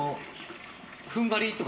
踏ん張りとか。